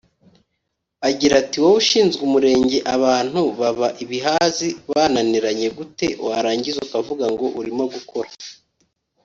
Agira ati “Wowe ushinzwe umurenge abantu baba ibihazi (bananiranye) gute warangiza ukavuga ngo urimo gukora